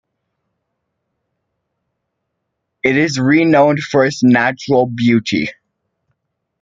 It is renowned for its natural beauty.